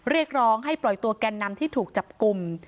เรียกร้องให้ปล่อยตัวแกนนำที่ถูกจับกลุ่ม